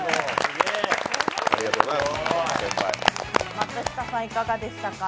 松下さん、いかがでしたか？